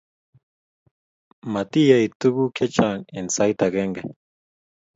Matiyay tukuk chechang eng sait agenge